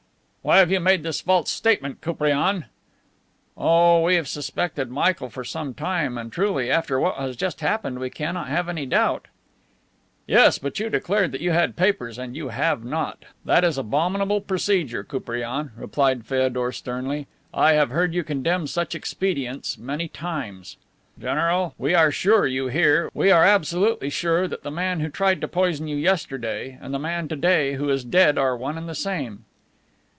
"Why have you made this false statement, Koupriane?" "Oh, we have suspected Michael for some time, and truly, after what has just happened, we cannot have any doubt." "Yes, but you declared you had papers, and you have not. That is abominable procedure, Koupriane," replied Feodor sternly. "I have heard you condemn such expedients many times." "General! We are sure, you hear, we are absolutely sure that the man who tried to poison you yesterday and the man to day who is dead are one and the same."